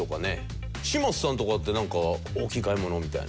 嶋佐さんとかってなんか大きい買い物みたいな。